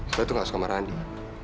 saya tuh gak suka sama randi